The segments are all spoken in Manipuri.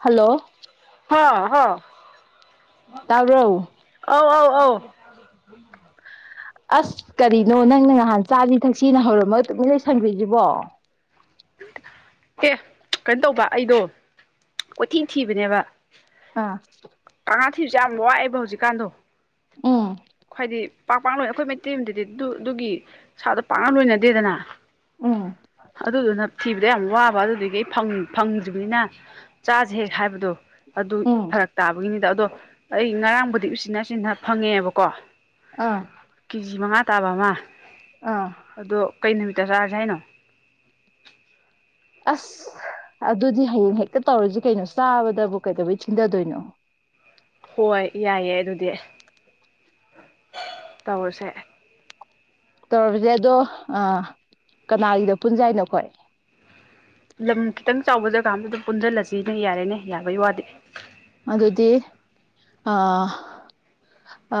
ꯍꯜꯂꯣ ꯍ ꯍ ꯇꯥꯕ꯭ꯔꯣ ꯑꯧ ꯑꯧ ꯑꯧ [unintelligible] ꯑꯁ ꯀꯔꯤꯅꯣ ꯅꯪꯅ ꯉꯍꯥꯟ ꯆꯥꯖꯤ ꯊꯛꯁꯤꯅ ꯍꯧꯔꯝꯃꯒ ꯇꯨꯃꯤꯟꯅ ꯂꯩꯁꯟꯈ꯭ꯔꯤꯁꯤꯕꯣ ꯑꯦ ꯀꯩꯅꯣ ꯇꯧꯕ ꯑꯩꯗꯣ ꯀꯣꯏꯊꯤ ꯊꯤꯕꯅꯦꯕ ꯑꯥ ꯑꯉꯥꯡ ꯊꯤꯕꯁ‌ꯦ ꯌꯥꯝ ꯋꯥꯏꯕ ꯍꯧꯖꯤꯛꯀꯥꯟꯗꯣ ꯎꯝ ꯍꯥꯏꯗꯤ ꯄꯥꯛ ꯄꯥꯛ ꯂꯣꯏꯅ ꯑꯩꯈꯣꯏ ꯃꯩꯇꯩ ꯌꯨꯝꯗꯗꯤ ꯑꯗꯨ ꯑꯗꯨꯒꯤ ꯁꯥꯗꯣ ꯄꯥꯛꯅ ꯂꯣꯏꯅꯗꯦꯗꯅ ꯎꯝ ꯑꯗꯨꯗꯨꯅ ꯊꯤꯕꯗ ꯌꯥꯝ ꯋꯥꯕ ꯑꯗꯨꯗꯤꯒꯤ ꯐꯪ ꯐꯪꯗ꯭ꯔꯤꯕꯅꯤꯅ ꯆꯥꯖꯦ ꯍꯦꯛ ꯍꯥꯏꯕꯗꯣ ꯑꯗꯨ ꯐꯔꯛ ꯇꯥꯕꯒꯤꯅꯤꯗ ꯑꯗꯣ ꯑꯩ ꯉꯔꯥꯡꯕꯨꯗꯤ ꯎꯆꯤꯟ ꯅꯥꯆꯤꯟꯅ ꯐꯪꯉ‌ꯦꯑꯦꯕꯀꯣ ꯑꯥ ꯀꯦ ꯖꯤ ꯃꯉꯥ ꯇꯥꯕ ꯑꯃ ꯑꯥ ꯑꯗꯣ ꯀꯩ ꯅꯨꯃꯤꯠꯇ ꯆꯥꯔꯖꯦ ꯍꯥꯏꯅꯣ ꯑꯁ ꯑꯗꯨꯗꯤ ꯍꯌꯦꯡ ꯍꯦꯛꯇ ꯇꯧꯔꯖꯤ ꯀꯩꯅꯣ ꯆꯥꯕꯗꯕꯨ ꯀꯩꯗꯧꯕꯩ ꯊꯤꯟꯊꯗꯣꯏꯅꯣ ꯍꯣꯏ ꯌꯥꯏꯌꯦ ꯑꯗꯨꯗꯤ ꯇꯧꯔꯁꯦ ꯇꯧꯔꯖꯦ ꯑꯗꯣ ꯑꯥ ꯀꯅꯥꯒꯤꯗ ꯄꯨꯟꯖꯦ ꯍꯥꯏꯅꯣ ꯑꯩꯈꯣꯏ ꯂꯝ ꯈꯤꯇꯪ ꯆꯥꯎꯕ ꯖꯒꯥ ꯑꯃꯗ ꯑꯗꯨꯝ ꯄꯨꯟꯖꯜꯂꯁꯤꯅꯦ ꯌꯥꯔꯦꯅꯦ ꯌꯥꯕꯩ ꯋꯥꯗꯤ ꯑꯗꯨꯗꯤ ꯑꯥ [inaudible] ꯑ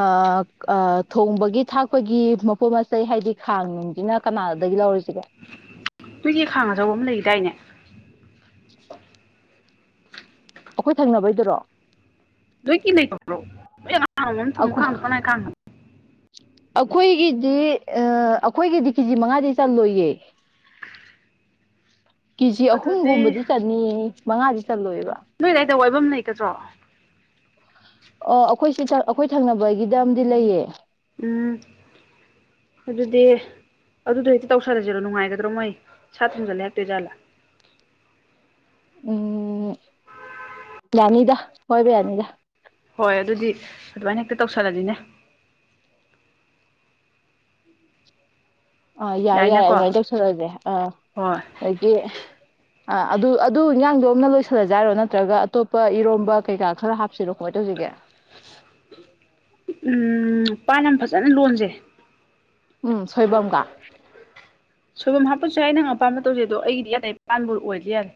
ꯑ ꯊꯣꯡꯕꯒꯤ ꯊꯥꯛꯄꯒꯤ ꯃꯄꯣꯠ ꯃꯆꯩ ꯍꯥꯏꯗꯤ ꯈꯥꯡ ꯅꯨꯡꯖꯤꯅ ꯀꯅꯥꯗꯒꯤ ꯂꯧꯔꯁꯤꯒꯦ ꯅꯣꯏꯒꯤ ꯈꯥꯡ ꯑꯆꯧꯕ ꯑꯝ ꯂꯩꯒꯤꯗꯥꯏꯅꯦ [inaudible] ꯑꯈꯣꯏ ꯊꯪꯅꯕꯩꯗꯨꯔꯣ ꯅꯣꯏꯀꯤ ꯂꯩꯇꯕ꯭ꯔꯣ ꯅꯣꯏ ꯅꯍꯥꯟ ꯅꯣꯡꯃ ꯊꯣꯡꯕ ꯑꯩꯈꯣꯏ ꯈꯥꯡꯗꯣ ꯀꯅꯥꯏ ꯈꯥꯡꯅꯣ ꯑꯩꯈꯣꯏꯒꯤꯗꯤ ꯑꯥ ꯑꯩꯈꯣꯏꯒꯤꯗꯤ ꯀꯦꯖꯤ ꯃꯉꯥꯗꯤ ꯆꯜꯂꯣꯏꯌꯦ ꯀꯦꯖꯤ ꯑꯗꯨꯗꯤ ꯑꯍꯨꯝꯒꯨꯝꯕꯗꯤ ꯆꯟꯅꯤꯌꯦ ꯃꯉꯥꯗꯤ ꯆꯠꯂꯣꯏꯕ ꯅꯣꯏ ꯑꯗꯥꯏꯗ ꯋꯥꯏꯕꯝ ꯂꯩꯒꯗ꯭ꯔꯣ ꯑꯣ ꯑꯈꯣꯏꯁꯤ ꯊꯪ ꯑꯩꯈꯣꯏꯒꯤ ꯊꯪꯅꯕꯒꯤꯗ ꯑꯝꯗꯤ ꯂꯩꯌꯦ ꯎꯝ ꯑꯗꯨꯗꯤ ꯑꯗꯨꯗꯣ ꯍꯦꯛꯇ ꯇꯧꯁꯜꯂꯖꯤꯔꯣ ꯅꯨꯡꯉꯥꯏꯒꯗ꯭ꯔꯣ ꯃꯣꯏ ꯁꯥ ꯊꯣꯡꯖꯜꯂꯦ ꯍꯥꯏꯔꯛꯇꯣꯏꯖꯥꯠꯂꯥ ꯎꯝ ꯌꯥꯅꯤꯗ ꯋꯥꯏꯕ ꯌꯥꯅꯤꯗ ꯍꯣꯏ ꯑꯗꯨꯗꯤ ꯑꯗꯨꯃꯥꯏꯅ ꯍꯦꯛꯇ ꯇꯧꯁꯜꯂꯖꯤꯅꯦ ꯑꯥ ꯌꯥꯏ ꯌꯥꯏ ꯌꯥꯏꯅꯀꯣ ꯑꯗꯨꯃꯥꯏꯅ ꯇꯧꯁꯜꯂꯖꯦ ꯑꯥ ꯍꯣꯏ ꯑꯗꯩꯗꯤ ꯑꯥ ꯑꯗꯨ ꯑꯗꯨ ꯏꯟꯖꯥꯡꯗꯣ ꯑꯝꯅ ꯂꯣꯏꯁꯜꯂꯖꯦ ꯍꯥꯏꯔꯣ ꯅꯠꯇ꯭ꯔꯒ ꯑꯇꯣꯞꯄ ꯏꯔꯣꯝꯕ ꯀꯩꯀꯥ ꯈꯔ ꯍꯥꯞꯁꯤꯔꯣ ꯀꯃꯥꯏ ꯇꯧꯁꯤꯒꯦ ꯎꯝ ꯄꯥꯟ ꯑꯃ ꯐꯖꯅ ꯂꯣꯟꯖꯦ ꯎꯝ ꯁꯣꯏꯕꯝꯒ ꯁꯣꯏꯕꯨꯝ ꯍꯥꯞꯄꯁꯨ ꯌꯥꯏ ꯅꯪ ꯑꯄꯥꯝꯕ ꯇꯧꯖꯦ ꯑꯗꯣ ꯑꯩꯒꯤꯗꯤ ꯏꯌꯥ ꯌꯥꯏ ꯄꯥꯟꯕꯨ ꯑꯣꯏꯔꯗꯤ ꯌꯥꯔꯦ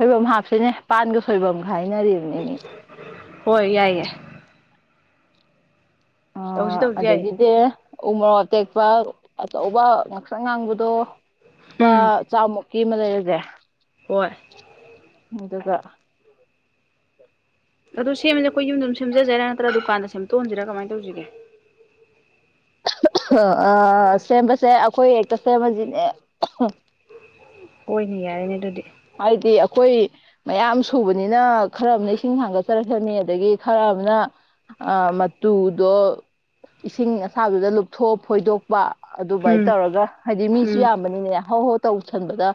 ꯁꯣꯏꯕꯨꯝ ꯍꯥꯞꯁꯤꯅꯦ ꯄꯥꯟꯒ ꯁꯣꯏꯕꯨꯝꯒ ꯍꯥꯏꯅꯔꯤꯝꯅꯤꯃꯤ ꯍꯣꯏ ꯌꯥꯏꯌꯦ ꯑ ꯇꯧꯁꯤ ꯇꯧꯁꯤ ꯌꯥꯏꯌꯦ ꯑꯗꯒꯤꯗꯤ ꯎ ꯃꯣꯔꯣꯛ ꯑꯇꯦꯛꯄ ꯑꯆꯧꯕ ꯉꯥꯛꯁꯪ ꯉꯥꯡꯕꯗꯣ ꯂꯨꯄꯥ ꯎꯝ ꯆꯥꯃꯨꯛ ꯀꯤꯃ ꯂꯩꯔꯖꯦ ꯍꯣꯏ ꯑꯗꯨꯒ ꯑꯗꯨ ꯁꯦꯝꯕꯖꯦ ꯑꯈꯣꯏ ꯌꯨꯝꯗ ꯑꯗꯨꯝ ꯁꯦꯝꯖꯁꯦ ꯍꯥꯢꯔꯥ ꯅꯠꯇ꯭ꯔ ꯗꯨꯀꯥꯟꯗ ꯁꯦꯝꯇꯣꯛꯍꯟꯖꯤꯔ ꯀꯃꯥꯏꯅ ꯇꯧꯁꯤꯒꯦ ꯑ ꯁꯦꯝꯕꯁꯦ ꯑꯈꯣꯏ ꯍꯦꯛꯇ ꯁꯦꯝꯃꯖꯤꯅꯦ ꯑꯣꯏꯅꯦ ꯌꯥꯏꯅꯦ ꯑꯗꯨꯗꯤ ꯍꯥꯏꯗꯤ ꯑꯈꯨꯏ ꯃꯌꯥꯝ ꯁꯨꯕꯅꯤꯅ ꯈꯔ ꯑꯃꯅ ꯏꯁꯤꯡ ꯊꯥꯡꯒꯠꯆꯔꯛꯁꯅꯤ ꯑꯗꯒꯤ ꯈꯔ ꯑꯃꯅ ꯑ ꯃꯇꯨꯗꯣ ꯏꯁꯤꯡ ꯑꯁꯥꯕꯗꯨꯗ ꯂꯨꯞꯊꯣꯛꯑ ꯐꯣꯏꯗꯣꯛꯄ ꯑꯗꯨꯃꯥꯏ ꯎꯝ ꯇꯧꯔꯒ ꯍꯥꯏꯗꯤ ꯃꯤꯁꯨ ꯎꯝ ꯌꯥꯝꯕꯅꯤꯅꯅꯦ ꯍꯧ ꯍꯧ ꯇꯧꯁꯟꯕꯗ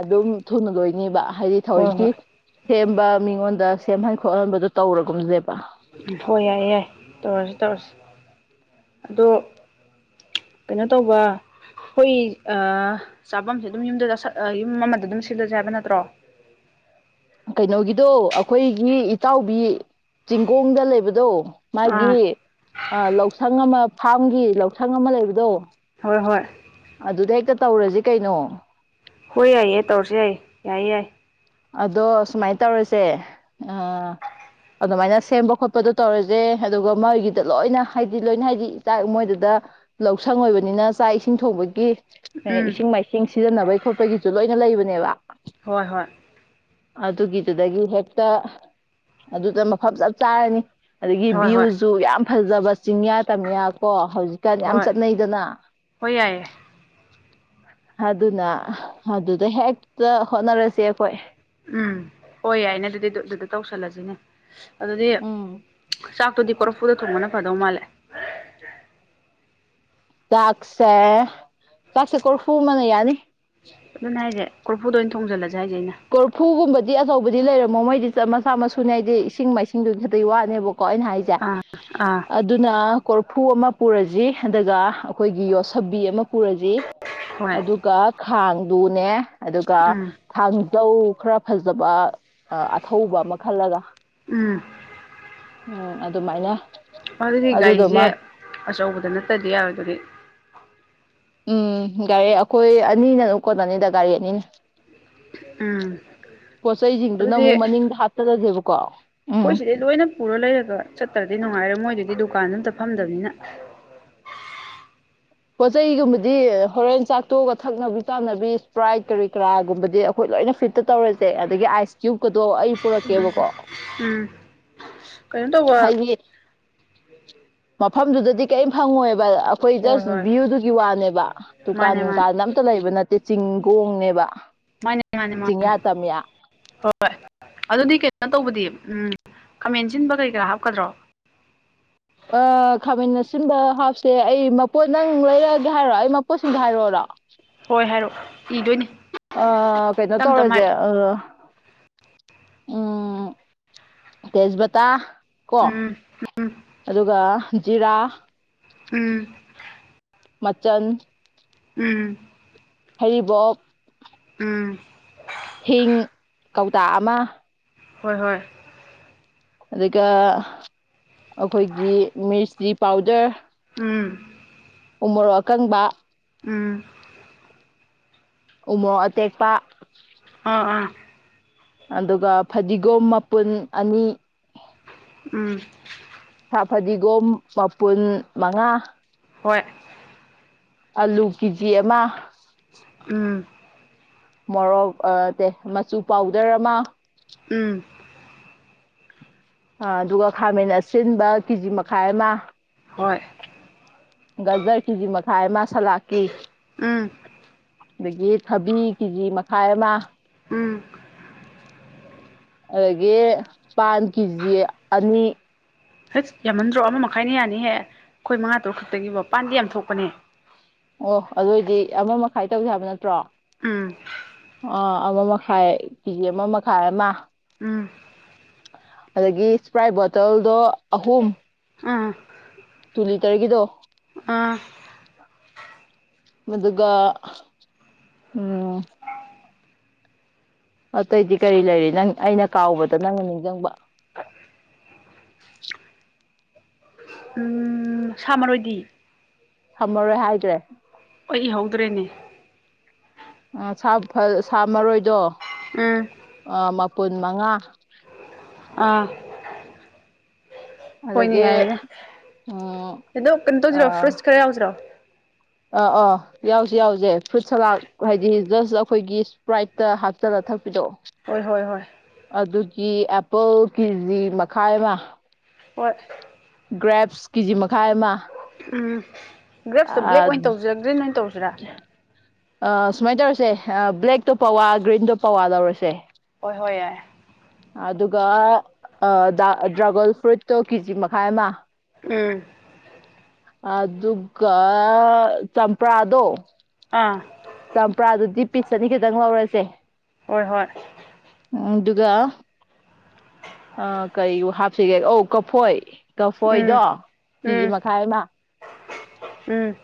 ꯑꯗꯨꯝ ꯊꯨꯅ ꯂꯣꯏꯅꯤꯕ ꯍꯥꯏꯗꯤ ꯍꯣꯏ ꯍꯣꯏ ꯊꯑꯣꯏꯀꯤ ꯁꯦꯝꯕ ꯃꯤꯉꯣꯟꯗ ꯁꯦꯝꯍꯟ ꯈꯣꯠꯍꯟꯕꯗꯨ ꯇꯧꯔꯒꯨꯝꯁꯦꯕ ꯍꯣꯏ ꯌꯥꯏꯌꯦ ꯌꯥꯏ ꯇꯧꯔꯁꯤ ꯇꯧꯔꯁꯤ ꯑꯗꯣ ꯀꯩꯅꯣ ꯇꯧꯕ ꯈꯣꯏ ꯑꯥ ꯆꯥꯕꯝꯁꯦ ꯑꯗꯨꯝ ꯌꯨꯝꯗ ꯆꯥꯁꯟ ꯑ ꯌꯨꯝ ꯑꯃꯗ ꯑꯗꯨꯝ ꯁꯤꯜꯂꯁꯦ ꯍꯥꯏꯕ ꯅꯠꯇ꯭ꯔꯣ ꯀꯩꯅꯣꯒꯤꯗꯣ ꯑꯈꯣꯏꯒꯤ ꯏꯇꯥꯎꯕꯤ ꯆꯤꯡꯒꯣꯡꯗ ꯂꯩꯕꯗꯣ ꯑꯥ ꯃꯥꯒꯤ ꯑ ꯂꯧꯁꯪ ꯑꯃ ꯐꯥꯝꯒꯤ ꯂꯧꯁꯪ ꯑꯃ ꯂꯩꯕꯗꯣ ꯍꯣꯏ ꯍꯣꯏ ꯑꯗꯨꯗ ꯍꯦꯛꯇ ꯇꯧꯔꯁꯤ ꯀꯩꯅꯣ ꯍꯣꯏ ꯌꯥꯏꯌꯦ ꯇꯧꯔꯁꯤ ꯌꯥꯏꯌꯦ ꯌꯥꯏꯌꯦ ꯌꯥꯏ ꯑꯗꯣ ꯁꯨꯃꯥꯏꯅ ꯇꯧꯔꯁꯦ ꯑ ꯑꯗꯨꯃꯥꯏꯅ ꯁꯦꯝꯕ ꯈꯣꯠꯄꯗꯣ ꯇꯧꯔꯁꯦ ꯑꯗꯨꯒ ꯃꯣꯏꯒꯤꯗ ꯂꯣꯏꯅ ꯍꯥꯏꯗꯤ ꯂꯣꯏꯅ ꯍꯥꯏꯗꯤ ꯆꯥꯛ ꯃꯣꯏꯗꯨꯗ ꯂꯧꯁꯪ ꯑꯣꯏꯕꯅꯤꯅ ꯆꯥꯛ ꯏꯁꯤꯡ ꯊꯣꯡꯕꯒꯤ ꯎꯝ ꯏꯁꯤꯡ ꯃꯥꯏꯁꯤꯡ ꯁꯤꯖꯤꯟꯅꯕꯒꯤ ꯈꯣꯠꯄꯒꯤꯁꯨ ꯂꯣꯏꯅ ꯂꯩꯕꯅꯦꯕ ꯍꯣꯏ ꯍꯣꯏ ꯑꯗꯨꯒꯤꯗꯨꯗꯒꯤ ꯍꯦꯛꯇ ꯑꯗꯨꯗ ꯃꯐꯝ ꯆꯞ ꯆꯥꯔꯅꯤ ꯑꯗꯒꯤ ꯍꯣꯏ ꯍꯣꯏ ꯚ꯭ꯌꯨꯁꯨ ꯌꯥꯝ ꯐꯖꯕ ꯆꯤꯡꯌꯥ ꯇꯝꯌꯥ ꯀꯣ ꯍꯧꯖꯤꯛꯀꯥꯟ ꯌꯥꯝ ꯍꯣꯏ ꯆꯠꯅꯩꯗꯅ ꯍꯣꯏ ꯌꯥꯏꯌꯦ ꯑꯗꯨꯅ ꯑꯗꯨꯗ ꯍꯦꯛꯇ ꯍꯣꯠꯅꯔꯁꯦ ꯑꯈꯣꯏ ꯎꯝ ꯍꯣꯏ ꯌꯥꯏꯅꯦ ꯑꯗꯨꯗꯤ ꯗꯨꯗꯨꯗ ꯇꯧꯁꯜꯂꯁꯤꯅꯦ ꯑꯗꯨꯗꯤ ꯎꯝ ꯆꯥꯛꯇꯨꯗꯤ ꯀꯣꯔꯐꯨꯗ ꯊꯣꯡꯕꯅ ꯐꯗꯧ ꯃꯥꯜꯂꯦ [inaudible] ꯆꯥꯛꯁꯦ ꯆꯥꯛꯁꯦ ꯀꯣꯔꯐꯨ ꯑꯃꯅ ꯌꯥꯅꯤ ꯑꯗꯨꯅꯦ ꯍꯥꯏꯁꯦ ꯀꯣꯔꯐꯨꯗ ꯑꯣꯏꯅ ꯊꯣꯡꯖꯜꯂꯁꯦ ꯍꯥꯏꯁꯦ ꯑꯩꯅ ꯀꯣꯔꯐꯨꯒꯨꯝꯕꯗꯤ ꯑꯆꯧꯕꯗꯤ ꯂꯩꯔꯝꯃꯣ ꯃꯣꯏꯗꯤ ꯃꯆꯥꯥ ꯃꯁꯨꯅꯦ ꯍꯥꯏꯗꯤ ꯏꯁꯤꯡ ꯃꯥꯏꯁꯤꯡꯗꯨꯒꯤ ꯈꯛꯇꯒꯤ ꯋꯥꯅꯦꯕꯀꯣ ꯑꯩꯅ ꯍꯥꯏ ꯆꯦ ꯑꯥ ꯑꯥ ꯑꯠ ꯗꯨꯅ ꯀꯣꯔꯐꯨ ꯑꯃ ꯄꯨꯔꯖꯤ ꯑꯗꯨꯒ ꯑꯩꯈꯣꯏꯒꯤ ꯌꯣꯠꯁꯕꯤ ꯑꯃ ꯄꯨꯔꯖꯤ ꯍꯣꯏ ꯑꯗꯨꯒ ꯈꯥꯡꯗꯨꯅꯦ ꯑꯗꯨꯒ ꯎꯝ ꯊꯥꯡꯖꯧ ꯈꯔ ꯐꯖꯕ ꯑ ꯑꯊꯧꯕ ꯑꯃ ꯈꯜꯂꯒ ꯎꯝ ꯎꯝ ꯑꯗꯨꯃꯥꯏꯅ ꯑꯗꯨꯗꯤ ꯒꯥꯔꯤꯖꯦ ꯑꯗꯨꯗꯨꯃ ꯑꯆꯧꯕꯗ ꯅꯠꯇꯗꯤ ꯌꯥꯔꯣꯏꯗꯨꯔꯤ ꯎꯝ ꯒꯥꯔꯤ ꯑꯩꯈꯣꯏ ꯑꯅꯤꯅ ꯑꯗꯨꯝ ꯀꯣꯟꯅꯅꯤꯗ ꯒꯥꯔꯤ ꯑꯅꯤꯅ ꯎꯝ ꯄꯣꯠꯆꯩꯖꯤꯡꯗꯨꯅ ꯑꯗꯨꯗꯤ ꯑꯃꯨꯛ ꯃꯅꯤꯡꯗ ꯍꯥꯞꯆꯜꯂꯖꯦꯕꯀꯣ ꯑꯩꯈꯣꯏ ꯁꯤꯗꯩ ꯂꯣꯏꯅ ꯄꯨꯔ ꯂꯩꯔꯒ ꯆꯠꯇ꯭ꯔꯗꯤ ꯅꯨꯡꯉꯥꯏꯔꯣꯏ ꯃꯣꯏꯗꯨꯗꯤ ꯗꯨꯀꯥꯟꯖꯨ ꯑꯝꯇ ꯐꯝꯗꯕꯅꯤꯅ ꯄꯣꯠꯆꯩꯒꯨꯝꯕꯗꯤ ꯍꯣꯔꯦꯟ ꯆꯥꯛꯇꯣꯛꯑꯒ ꯊꯛꯅꯕꯤ ꯆꯥꯅꯕꯤ ꯁꯄ꯭ꯔꯥꯏꯠ ꯀꯔꯤ ꯀꯔꯥꯒꯨꯝꯕꯗꯤ ꯈꯣꯏ ꯂꯣꯏꯅ ꯐꯤꯠꯇ ꯇꯧꯔꯁꯦ ꯑꯗꯒꯤ ꯑꯥꯏꯁ ꯀ꯭ꯌꯨꯨꯕꯀꯗꯣ ꯑꯩ ꯄꯨꯔꯛꯀꯦꯕꯀꯣ ꯎꯝ ꯎꯝ ꯍꯥꯏꯗꯤ ꯃꯐꯝꯗꯨꯗꯗꯤ ꯀꯩꯝ ꯐꯪꯉꯣꯏꯕ ꯑꯞ ꯍꯣꯏ ꯖꯁ ꯚ꯭ꯌꯨꯗꯨꯒꯤ ꯋꯥꯅꯦꯕ ꯗꯨꯀꯥꯟ ꯃꯥꯅꯦ ꯃꯥꯅꯦ ꯅꯨꯡꯒꯥꯟ ꯑꯝꯇ ꯂꯩꯕ ꯅꯠꯇꯦ ꯆꯤꯡꯒꯣꯡꯅꯦꯕ ꯃꯥꯅꯦ ꯃꯥꯅꯦ ꯃꯥꯅꯦ ꯆꯤꯡꯌꯥ ꯇꯝꯌꯥ ꯍꯣꯏ ꯑꯗꯨꯗꯤ ꯀꯩꯅꯣ ꯇꯧꯕꯗꯤ ꯎꯝ ꯈꯥꯃꯦꯟ ꯁꯤꯟꯕ ꯀꯩ ꯀ꯭ꯔꯥ ꯍꯥꯞꯀꯗ꯭ꯔꯣ ꯑ ꯈꯥꯃꯦꯟ ꯑꯁꯤꯟꯕ ꯍꯥꯥꯞꯁꯦ ꯑꯩ ꯃꯄꯣꯠ ꯅꯪ ꯂꯩꯔꯛꯑꯒꯦ ꯍꯥꯏꯔꯣ ꯑꯩ ꯃꯄꯣꯠꯁꯤꯡꯗꯣ ꯍꯥꯏꯔꯛꯑꯣꯔꯣ ꯍꯣꯏ ꯍꯥꯏꯔꯛꯑꯣ ꯏꯗꯣꯏꯅꯤ ꯑ ꯀꯩꯅꯣ ꯇꯞ ꯇꯞꯅ ꯇꯧꯔꯖꯦ ꯍꯥꯏꯔꯛꯑꯣ ꯑ ꯎꯝ ꯇꯦꯖꯕꯇꯥ ꯀꯣ ꯎꯝ ꯑꯗꯨꯒ ꯖꯤꯔꯥ ꯎꯝ ꯃꯆꯟ ꯎꯝ ꯍꯩꯔꯤꯕꯣꯞ ꯎꯝ ꯍꯤꯡ ꯀꯧꯇꯥ ꯑꯃ ꯍꯣꯏ ꯍꯣꯏ ꯑꯗꯨꯒ ꯑꯈꯣꯏꯒꯤ ꯃꯤꯔꯁꯇ꯭ꯔꯤ ꯄꯥꯎꯗꯔ ꯎꯝ ꯎꯃꯣꯔꯣꯛ ꯑꯀꯪꯕ ꯎꯝ ꯎꯃꯣꯔꯣꯛ ꯑꯇꯦꯛꯄ ꯑꯥ ꯑꯥ ꯑꯗꯨꯒ ꯐꯗꯤꯒꯣꯝ ꯃꯄꯨꯟ ꯑꯅꯤ ꯎꯝ ꯁꯥ ꯐꯗꯤꯒꯣꯝ ꯃꯄꯨꯟ ꯃꯉꯥ ꯍꯣꯏ ꯑꯂꯨ ꯀꯦꯖꯤ ꯑꯃ ꯎꯝ ꯃꯣꯔꯣꯛ ꯑ ꯇꯦ ꯃꯆꯨ ꯄꯥꯎꯗꯔ ꯑꯃ ꯎꯝ ꯑ ꯑꯗꯨꯒ ꯈꯥꯃꯦꯟ ꯑꯁꯤꯟꯕ ꯀꯦꯖꯤ ꯃꯈꯥꯏ ꯑꯃ ꯍꯣꯏ ꯒꯖꯔ ꯀꯤꯖꯤ ꯃꯈꯥꯏ ꯑꯃ ꯁꯂꯥꯛꯀꯤ ꯎꯝ ꯑꯗꯒꯤ ꯊꯕꯤ ꯀꯤꯖꯤ ꯃꯈꯥꯏ ꯑꯃ ꯎꯝ ꯑꯗꯒꯤ ꯄꯥꯟ ꯀꯦꯖꯤ ꯑꯅꯤ ꯍꯩꯁ ꯌꯥꯝꯃꯟꯗ꯭ꯔꯣ ꯑꯃ ꯃꯈꯥꯏꯅ ꯌꯥꯅꯤꯍꯦ ꯈꯣꯏ ꯃꯉꯥ ꯇꯔꯨꯛ ꯈꯛꯇꯒꯤꯕꯣ ꯄꯥꯟꯗꯤ ꯌꯥꯝ ꯊꯣꯛꯄꯅꯦ ꯑꯣ ꯑꯗꯨꯑꯣꯏꯗꯤ ꯑꯃ ꯃꯈꯥꯏ ꯇꯧꯖꯦ ꯍꯥꯏꯕ ꯅꯠꯇ꯭ꯔꯣ ꯎꯝ ꯑꯥ ꯑꯃ ꯃꯈꯥꯏ ꯀꯦꯖꯤ ꯑꯃ ꯃꯈꯥꯏ ꯑꯃ ꯎꯝ ꯑꯗꯒꯤ ꯁꯄ꯭ꯔꯥꯏꯠ ꯕꯣꯇꯜꯗꯣ ꯑꯍꯨꯝ ꯎꯝ ꯇꯨ ꯂꯤꯇꯔꯒꯤꯗꯣ ꯑꯥ ꯃꯗꯨꯒ ꯎꯝ ꯑꯇꯩꯗꯤ ꯀꯔꯤ ꯂꯩꯔꯤ ꯅꯪ ꯑꯩꯅ ꯀꯥꯎꯕꯗ ꯅꯪꯅ ꯅꯤꯡꯖꯪꯕ ꯎꯝ ꯎꯝ ꯁꯥ ꯃꯔꯣꯏꯗꯤ ꯍꯝꯃꯔꯣꯏ ꯍꯥꯏꯗ꯭ꯔꯦ [unintelligible] ꯑꯥ ꯁꯥ ꯐ ꯁꯥ ꯃꯔꯣꯏꯗꯣ ꯎꯝ ꯑꯥ ꯃꯄꯨꯟ ꯃꯉꯥ ꯑꯥ ꯍꯣꯏꯅꯦ ꯑꯗꯒꯤ ꯌꯥꯏꯔꯦꯅꯦ ꯎꯝ ꯑꯗꯣ ꯀꯩꯅꯣ ꯇꯧꯁꯤꯔꯣ ꯑꯥ ꯐ꯭ꯔꯨꯠꯁ ꯈꯔ ꯌꯥꯎꯁꯤꯔꯣ ꯑꯥ ꯑꯥ ꯌꯥꯎꯖꯦ ꯌꯥꯎꯖꯦ ꯐ꯭ꯔꯨꯠ ꯁꯂꯥꯗ ꯍꯥꯏꯗꯤ ꯖꯁ ꯑꯈꯣꯏꯒꯤ ꯁꯄ꯭ꯔꯥꯏꯠꯇ ꯍꯥꯞꯆꯜꯂ ꯊꯛꯄꯤꯗꯣ ꯍꯣꯏ ꯍꯣꯏ ꯍꯣꯏ ꯑꯗꯨꯒꯤ ꯑꯦꯄꯜ ꯀꯦꯖꯤ ꯃꯈꯥꯏ ꯑꯃ ꯍꯣꯏ ꯒ꯭ꯔꯦꯞꯁ ꯀꯤꯖꯤ ꯃꯈꯥꯏ ꯑꯃ ꯎꯝ ꯒ꯭ꯔꯦꯞꯁꯇꯣ ꯕ꯭ꯂꯦꯛ ꯑꯣꯏꯅ ꯇꯧꯖꯤꯔꯥ ꯒ꯭ꯔꯤꯟ ꯑꯣꯏꯅ ꯇꯧꯖꯤꯔꯥ ꯑꯥ ꯁꯨꯃꯥꯏ ꯇꯧꯔꯁꯦ ꯑ ꯕ꯭ꯂꯦꯛꯇꯣ ꯄꯋꯥ ꯒ꯭ꯔꯤꯟꯗꯣ ꯄꯋꯥ ꯂꯧꯔꯁꯦ ꯍꯣꯏ ꯍꯣꯏ ꯌꯥꯏꯌꯦ ꯑꯗꯨꯒ ꯗ꯭ꯔꯥꯒꯜ ꯐ꯭ꯔꯨꯏꯠꯇꯣ ꯀꯤꯖꯤ ꯃꯈꯥꯏ ꯑꯃ ꯎꯝ ꯑꯗꯨꯒ ꯆꯝꯄ꯭ꯔꯥꯗꯣ ꯑꯥ ꯆꯝꯄ꯭ꯔꯥꯗꯨꯗꯤ ꯄꯤꯁ ꯑꯅꯤ ꯈꯤꯇꯪ ꯂꯧꯔꯁꯦ ꯍꯣꯏ ꯍꯣꯏ ꯎꯝ ꯑꯗꯨꯒ ꯑꯥ ꯀꯩꯕꯨ ꯍꯥꯞꯁꯤꯒꯦ ꯑꯧ ꯀꯐꯣꯏ ꯎꯝ ꯀꯐꯣꯏꯗꯣ ꯀꯦꯖꯤ ꯎꯝ ꯃꯈꯥꯏ ꯑꯃ ꯎꯝ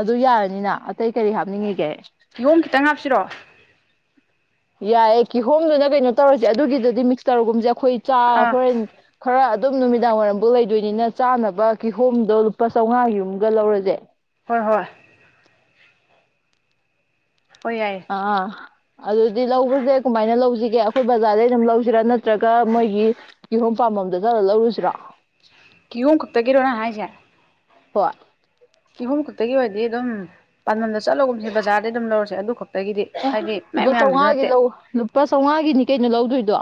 ꯑꯗꯨ ꯌꯥꯔꯅꯤꯅ ꯑꯇꯩ ꯀꯔꯤ ꯍꯥꯞꯅꯤꯡꯉꯤꯒꯦ ꯀꯤꯌꯣꯝ ꯈꯤꯇꯪ ꯍꯥꯞꯁꯤꯔꯣ ꯌꯥꯏꯌꯦ ꯀꯤꯍꯣꯝꯗꯨꯅ ꯀꯩꯅꯣ ꯇꯧꯔꯁꯦ ꯑꯗꯨꯒꯤꯗꯗꯤ ꯃꯤꯛꯁꯇꯔꯒꯨꯝꯁꯦ ꯑꯩꯈꯣꯏ ꯆꯥ ꯑꯥ ꯍꯣꯔꯦꯟ ꯈꯔ ꯑꯗꯨꯝ ꯅꯨꯃꯤꯗꯥꯡ ꯋꯥꯏꯔꯝꯐꯥꯎ ꯂꯩꯗꯣꯏꯅꯤꯅ ꯆꯥꯅꯕ ꯀꯤꯍꯣꯝꯗꯣ ꯂꯨꯄꯥ ꯆꯥꯝꯉꯥꯒꯤ ꯑꯝꯒ ꯂꯧꯔꯖꯦ ꯍꯣꯏ ꯍꯣꯏ ꯍꯣꯏ ꯌꯥꯏꯌꯦ ꯑꯥ ꯑꯗꯨꯗꯤ ꯂꯧꯕꯖꯦ ꯀꯃꯥꯏꯅ ꯂꯧꯖꯤꯒꯦ ꯑꯩꯈꯣꯏ ꯕꯖꯥꯔꯗꯩ ꯑꯗꯨꯝ ꯂꯧꯁꯤꯔꯥ ꯅꯠꯇ꯭ꯔꯒ ꯃꯣꯏꯒꯤ ꯀꯤꯍꯣꯝ ꯄꯥꯝꯝꯕꯝꯗ ꯆꯠꯂ ꯂꯧꯔꯨꯁꯤꯔꯣ ꯀꯤꯌꯣꯝ ꯈꯛꯇꯒꯤꯔꯣꯅ ꯍꯥꯏꯖꯦ ꯍꯣꯏ ꯀꯤꯍꯨꯝ ꯈꯛꯇꯒꯤ ꯑꯣꯏꯔꯗꯤ ꯑꯗꯨꯝ ꯄꯥꯟꯗꯝꯗ ꯆꯠꯂꯒꯨꯝꯁꯦ ꯕꯖꯥꯔꯗꯩ ꯑꯗꯨꯝ ꯂꯧꯔꯁꯦ ꯑꯗꯨ ꯈꯛ ꯑꯦ ꯂꯨꯄꯥ ꯆꯥꯃꯉꯥꯒꯤ ꯂꯧ ꯂꯨꯄꯥ ꯆꯥꯃꯉꯥꯒꯤꯅꯦ ꯀꯩꯅꯣ ꯂꯧꯗꯣꯏꯗꯣ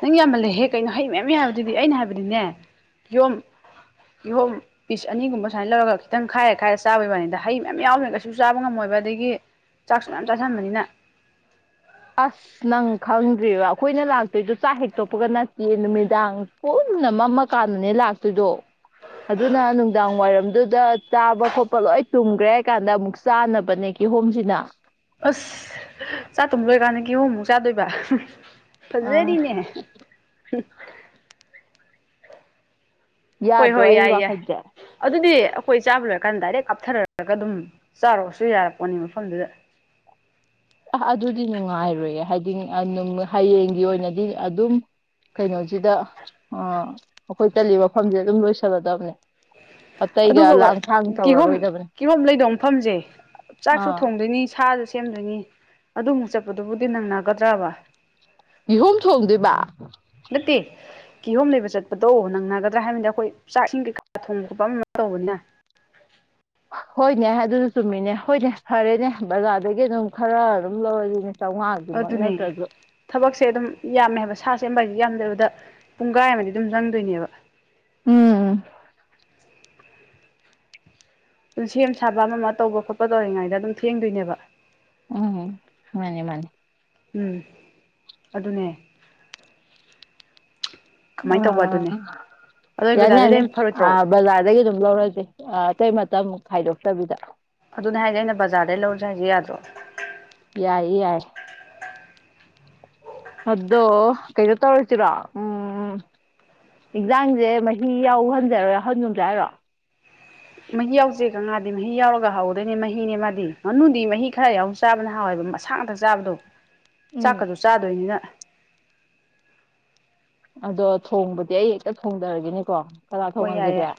ꯅꯪ ꯌꯥꯝꯃꯜꯂꯦꯍꯦ ꯀꯩꯅꯣ ꯍꯩ ꯃꯌꯥꯝ ꯌꯥꯝꯃꯤꯁꯤꯗꯤ ꯑꯩꯅ ꯍꯥꯏꯕꯗꯤꯅꯦ ꯀꯤꯍꯣꯝ ꯀꯤꯍꯣꯝ ꯄꯤꯁ ꯑꯅꯤꯒꯨꯝꯕ ꯁꯨꯃꯥꯏꯅ ꯂꯧꯔꯒ ꯈꯤꯇꯪ ꯈꯥꯏꯔ ꯈꯥꯏꯔ ꯆꯥꯕꯒꯤ ꯋꯥꯅꯤꯗ ꯍꯩ ꯃꯌꯥꯝ ꯌꯥꯎꯔꯒ ꯀꯩꯁꯨ ꯆꯥꯕ ꯉꯝꯃꯣꯏꯕ ꯑꯗꯒꯤ ꯆꯥꯛꯁꯨ ꯃꯌꯥꯝ ꯆꯥꯁꯟꯕꯅꯤꯅ ꯑꯁ ꯅꯪ ꯈꯪꯗ꯭ꯔꯤꯕ ꯑꯩꯈꯣꯏꯅ ꯂꯥꯛꯇꯣꯏꯗꯣ ꯆꯥꯛ ꯍꯦꯛ ꯇꯣꯛꯄꯒ ꯅꯠꯇ ꯏ ꯅꯨꯃꯤꯗꯥꯡ ꯄꯨꯟꯅ ꯃꯝꯃꯀꯥꯟꯗꯅꯦ ꯂꯥꯛꯇꯣꯏꯗꯣ ꯑꯗꯨꯅ ꯅꯨꯡꯗꯥꯡ ꯋꯥꯏꯔꯝꯗꯨꯗ ꯆꯥꯕ ꯈꯣꯠꯄ ꯂꯣꯏ ꯇꯨꯝꯈ꯭ꯔꯦ ꯍꯥꯏ ꯀꯥꯟꯗ ꯑꯃꯨꯛ ꯆꯥꯅꯕꯅꯦ ꯀꯤꯍꯣꯝꯁꯤꯅ ꯑꯁ ꯆꯥꯇꯨꯝꯕ ꯂꯣꯏꯀꯥꯟꯗ ꯀꯤꯍꯣꯃꯨꯛ ꯆꯥꯗꯣꯏꯕ ꯑꯥ ꯐꯖꯔꯤꯅꯦ ꯍꯣꯏ ꯌꯥꯗ꯭ꯔꯣ ꯍꯣꯏ ꯑꯩ ꯌꯥꯏ ꯌꯥꯏ ꯋꯥꯈꯜꯁꯦ ꯑꯗꯨꯗꯤ ꯑꯩꯈꯣꯏ ꯆꯥꯕ ꯂꯣꯏꯔꯀꯥꯟꯗ ꯗꯥꯏꯔꯦꯛ ꯀꯥꯞꯊꯔꯒ ꯑꯗꯨꯝ ꯆꯥꯔꯨꯔꯁꯨ ꯌꯥꯔꯕꯅꯤ ꯃꯐꯝꯗꯨꯗ ꯑ ꯑꯗꯨꯗꯤ ꯅꯨꯡꯉꯥꯏꯔꯣꯏꯌꯦ ꯍꯥꯏꯗꯤ ꯍꯌꯦꯡꯒꯤ ꯑꯣꯏꯅꯗꯤ ꯑꯗꯨꯝ ꯀꯩꯅꯣꯁꯤꯗ ꯑꯩꯈꯣꯏ ꯆꯠꯂꯤ ꯃꯐꯝꯁꯦ ꯑꯗꯨꯝ ꯂꯣꯏꯁꯜꯂꯗꯕꯅꯦ ꯑꯗꯨꯕꯧꯕꯥ ꯀꯤꯍꯣꯝ ꯇꯧꯔꯔꯣꯏꯗꯕꯅꯦ ꯀꯤꯍꯣꯝ ꯂꯩꯗꯧ ꯃꯐꯝꯁꯦ ꯆꯥꯛꯁꯨ ꯑꯥ ꯊꯣꯡꯗꯣꯏꯅꯤ ꯁꯥꯁꯨ ꯁꯦꯝꯗꯣꯏꯅꯤ ꯑꯗꯨꯃꯨꯛ ꯆꯠꯄꯗꯨꯕꯨꯗꯤ ꯅꯪꯅꯒꯗ꯭ꯔꯕ ꯀꯤꯍꯣꯝ ꯊꯣꯡꯗꯣꯏꯕ ꯅꯠꯇꯦ ꯀꯤꯍꯣꯝ ꯂꯩꯕ ꯆꯠꯄꯗꯣ ꯅꯪꯅꯒꯗ꯭ꯔꯥ ꯍꯥꯏꯕꯗꯤ ꯑꯩꯈꯣꯏ ꯆꯥꯛ ꯏꯁꯤꯡ ꯀꯩꯀꯥ ꯊꯣꯡꯕ ꯈꯣꯠꯄ ꯑꯃ ꯇꯧꯕꯅꯤꯅ ꯍꯣꯏꯅꯦ ꯑꯗꯨꯁꯨ ꯆꯨꯝꯃꯤꯅꯦ ꯍꯣꯏꯅꯦ ꯐꯔꯦꯅꯦ ꯕꯖꯥꯔꯗꯒꯤ ꯑꯗꯨꯝ ꯈꯔ ꯑꯗꯨꯝ ꯂꯧꯔꯁꯤꯅꯦ ꯆꯥꯝꯃꯉꯥꯒꯤꯃꯛ ꯑꯗꯨꯅꯦ ꯅꯠꯇ꯭ꯔꯁꯨ ꯊꯕꯛꯁꯦ ꯑꯗꯨꯝ ꯌꯥꯝꯃꯦ ꯍꯥꯏꯕ ꯁꯥ ꯁꯦꯝꯕ ꯍꯥꯏꯁꯦ ꯌꯥꯝꯗ꯭ꯔꯕꯗ ꯄꯨꯡꯈꯥꯏ ꯑꯃꯗꯤ ꯑꯗꯨꯝ ꯆꯪꯗꯣꯏꯅꯦꯕ ꯎꯝ ꯑꯗꯨꯝ ꯁꯦꯝ ꯁꯥꯕ ꯑꯃ ꯑꯃ ꯇꯧꯕ ꯈꯣꯠꯄ ꯇꯧꯔꯤꯉꯩꯗ ꯑꯗꯨꯝ ꯊꯦꯡꯗꯣꯏꯅꯦꯕ ꯎꯝ ꯃꯥꯅꯦ ꯃꯥꯅꯦ ꯎꯝ ꯑꯗꯨꯅꯦ ꯑ ꯀꯃꯥꯏꯅ ꯇꯧꯕ ꯑꯗꯨꯅꯦ ꯑꯗꯣ ꯌꯥꯅꯤ ꯕꯖꯥꯔꯗꯩ ꯌꯥꯅꯤ ꯂꯩ ꯑ ꯐꯔꯣꯏꯗ꯭ꯔꯣ ꯕꯖꯥꯔꯗꯒꯤ ꯑꯗꯨꯝ ꯂꯧꯔꯁꯦ ꯑꯇꯩ ꯃꯇꯝ ꯈꯥꯏꯗꯣꯛꯇꯕꯤꯗ ꯑꯗꯨꯅꯦ ꯍꯥꯏꯖꯦ ꯑꯩꯅ ꯕꯖꯥꯔꯗꯩ ꯂꯧꯔꯁꯦ ꯍꯥꯏꯁꯦ ꯌꯥꯗ꯭ꯔꯣ ꯌꯥꯏꯌꯦ ꯌꯥꯏꯌꯦ ꯑꯗꯣ ꯀꯩꯅꯣ ꯇꯔꯥꯁꯤꯔꯣ ꯎꯝ ꯏꯟꯖꯥꯡꯁꯦ ꯃꯍꯤ ꯌꯥꯎꯍꯟꯖꯦ ꯌꯥꯎꯍꯟꯒꯨꯝꯁꯦ ꯍꯥꯏꯔꯣ ꯃꯍꯤ ꯌꯥꯎꯁꯦ ꯃꯥꯗꯤ ꯃꯍꯤ ꯌꯥꯎꯔꯒ ꯍꯥꯎꯗꯣꯏꯅꯦ ꯃꯍꯤꯅꯦ ꯃꯥꯗꯤ ꯉꯥꯅꯨꯗꯤ ꯃꯍꯤ ꯈꯔ ꯌꯥꯎ ꯆꯥꯕꯅ ꯍꯥꯎꯋꯦꯕ ꯃꯁꯥ ꯉꯥꯛꯇ ꯆꯥꯕꯗꯣ ꯎꯝ ꯆꯥꯛꯀꯁꯨ ꯆꯥꯗꯣꯏꯅꯤꯅ ꯑꯗꯣ ꯊꯣꯡꯕꯗꯤ ꯑꯩ ꯍꯦꯛꯇ ꯊꯣꯡꯗꯔꯒꯦꯅꯦꯀꯣ ꯍꯣꯏ ꯌꯥꯏ ꯌꯥꯏ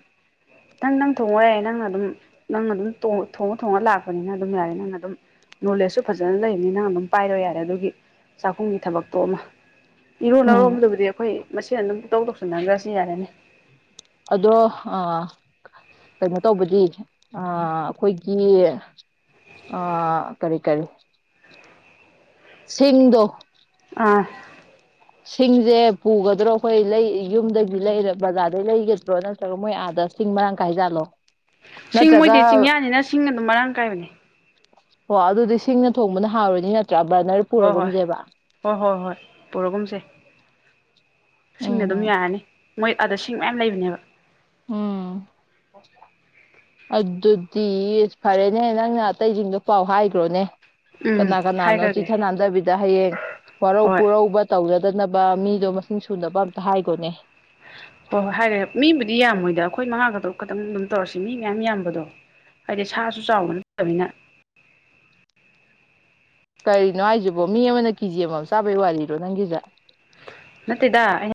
ꯅꯪ ꯅꯪ ꯊꯣꯡꯉꯣꯍꯦ ꯅꯪꯅ ꯑꯗꯨꯝ ꯅꯪꯅ ꯑꯗꯨꯝ ꯊꯣꯡꯉ ꯊꯣꯡꯉ ꯂꯥꯛꯄꯅꯤꯅ ꯑꯗꯨꯝ ꯌꯥꯏ ꯅꯪꯅ ꯑꯗꯨꯝ ꯅꯣꯂꯦꯖꯁꯨ ꯐꯖꯅ ꯂꯩꯕꯅꯤꯅ ꯅꯪꯅ ꯑꯗꯨꯝ ꯄꯥꯏꯔꯣ ꯌꯥꯔꯦ ꯑꯗꯨꯒꯤ ꯆꯥꯛꯈꯨꯝꯒꯤ ꯊꯕꯛꯇꯣ ꯑꯃ ꯎꯝ ꯏꯔꯣꯟꯅꯕꯕꯨꯗꯤ ꯑꯩꯈꯣꯏ ꯃꯁꯦꯟ ꯑꯗꯨꯝ ꯄꯨꯡ ꯇꯧ ꯇꯧꯁꯤꯟꯅꯈ꯭ꯔꯁꯤ ꯌꯥꯔꯦꯅꯦ ꯑꯗꯣ ꯑꯥ ꯀꯩꯅꯣ ꯇꯧꯕꯗꯤ ꯑꯥ ꯑꯩꯈꯣꯏꯒꯤ ꯑꯥ ꯀꯔꯤ ꯀꯔꯤ ꯁꯤꯡꯗꯣ ꯑꯥ ꯁꯤꯡꯁꯦ ꯄꯨꯒꯗ꯭ꯔꯣ ꯑꯩꯈꯣꯏ ꯂꯩ ꯌꯨꯝꯗꯒꯤ ꯂꯩꯔ ꯕꯖꯥꯔꯗꯩ ꯂꯩꯒꯗ꯭ꯔꯣ ꯅꯠ ꯅꯠꯇ꯭ꯔꯒ ꯃꯣꯏ ꯑꯥꯗ ꯁꯤꯡ ꯃꯔꯥꯡ ꯀꯥꯏꯖꯥꯠꯂꯣ ꯁꯤꯡ ꯅꯠꯇ꯭ꯔꯒ ꯃꯣꯏꯗꯤ ꯆꯤꯡꯌꯥꯅꯤꯅ ꯁꯤꯡ ꯑꯗꯨꯝ ꯃꯔꯥꯡ ꯀꯥꯏꯕꯅꯦ ꯑꯣ ꯑꯗꯨꯗꯤ ꯁꯤꯡꯅ ꯊꯣꯡꯕꯅ ꯍꯥꯎꯔꯅꯤ ꯅꯠꯇ꯭ꯔꯥ ꯕꯔꯅꯔ ꯍꯣꯏ ꯍꯣꯏ ꯄꯨꯔꯒꯨꯝꯁꯦꯕ ꯍꯣꯏ ꯍꯣꯏ ꯍꯣꯏ ꯄꯨꯔꯒꯨꯝꯁꯦ ꯁꯤꯡꯅ ꯎꯝ ꯑꯗꯨꯝ ꯌꯥꯔꯅꯤ ꯃꯣꯏ ꯑꯗ ꯁꯤꯡ ꯃꯌꯥꯝ ꯂꯩꯕꯅꯦꯕ ꯎꯝ ꯑꯗꯨꯗꯤ ꯐꯔꯦꯅꯦ ꯅꯪꯅ ꯑꯇꯩꯁꯤꯡꯗꯣ ꯄꯥꯎ ꯍꯥꯏꯈ꯭ꯔꯣꯅꯦ ꯎꯝ ꯀꯅꯥ ꯀꯅꯥꯅꯣ ꯍꯥꯏꯈ꯭ꯔꯒꯦ ꯆꯤꯊ ꯅꯥꯟꯗꯕꯤꯗ ꯍꯌꯦꯡ ꯋꯥꯔꯧ ꯍꯣꯏ ꯄꯨꯔꯧꯕ ꯇꯧꯅꯗꯅꯕ ꯃꯤꯗꯣ ꯃꯁꯤꯡ ꯁꯨꯅꯕ ꯑꯝꯇ ꯍꯥꯏꯈꯣꯅꯦ ꯍꯣꯏ ꯍꯣꯏ ꯍꯥꯏꯔꯦ ꯃꯤꯕꯨꯗꯤ ꯌꯥꯝꯃꯣꯏꯗ ꯑꯩꯈꯣꯏ ꯃꯉꯥꯒꯗ ꯈꯛꯇꯪ ꯑꯗꯨꯝ ꯇꯧꯔꯁꯤ ꯃꯤ ꯃꯌꯥꯝ ꯌꯥꯝꯕꯗꯣ ꯍꯥꯏꯗꯤ ꯁꯥꯁꯨ ꯆꯥꯎꯕ ꯅꯠꯇꯕꯅꯤꯅ ꯀꯔꯤꯅꯣ ꯍꯥꯏꯁꯤꯕꯣ ꯃꯤ ꯑꯃꯅ ꯀꯦꯖꯤ ꯑꯃꯃꯝ ꯆꯥꯕꯩ ꯋꯥꯔꯤꯔꯣ ꯅꯪꯒꯤꯁꯦ ꯅꯠꯇꯦꯗ ꯑꯩꯅ